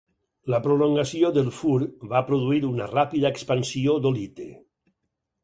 La promulgació del fur va produir una ràpida expansió d'Olite.